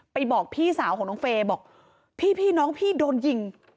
บอกพี่สาวของน้องเฟย์บอกพี่น้องพี่โดนยิง